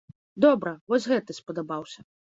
Добра, вось гэты спадабаўся.